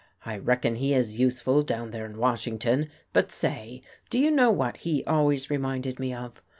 I reckon he is useful down there in Washington, but say, do you know what he always reminded me of?